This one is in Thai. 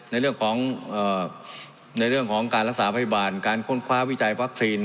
ในเรื่องของในเรื่องของการรักษาพยาบาลการค้นคว้าวิจัยวัคซีน